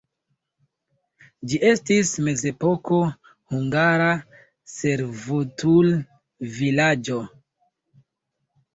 Ĝi estis mezepoko hungara servutulvilaĝo.